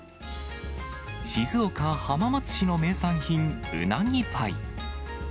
静岡・浜松市の名産品、うなぎパイ。